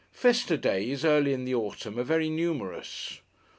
Festa days, early in the autumn, are very numerous.